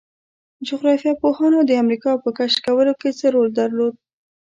جغرافیه پوهانو د امریکا په کشف کولو کې څه رول درلود؟